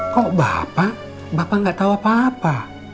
kok bapak bapak gak tahu apa apa